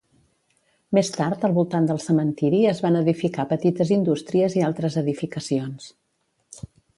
Més tard al voltant del cementiri es van edificar petites indústries i altres edificacions.